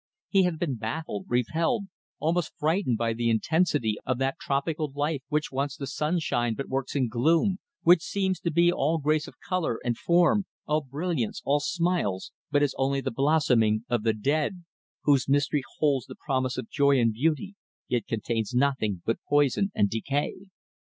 He had been baffled, repelled, almost frightened by the intensity of that tropical life which wants the sunshine but works in gloom; which seems to be all grace of colour and form, all brilliance, all smiles, but is only the blossoming of the dead; whose mystery holds the promise of joy and beauty, yet contains nothing but poison and decay.